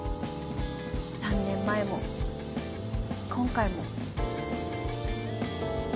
３年前も今回も。